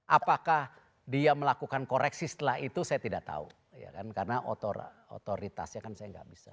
apakah dia melakukan koreksi setelah itu saya tidak tahu karena otoritasnya kan saya nggak bisa